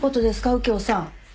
右京さん。